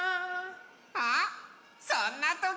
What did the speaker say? あっそんなときは？